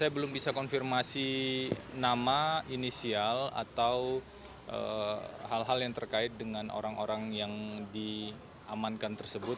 saya belum bisa konfirmasi nama inisial atau hal hal yang terkait dengan orang orang yang diamankan tersebut